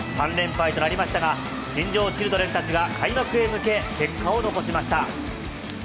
３連敗となりましたが新庄チルドレンたちが開幕へ向けて結果を残しました。